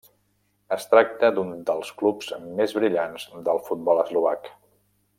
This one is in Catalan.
Es tracta d'un dels clubs més brillants del futbol eslovac.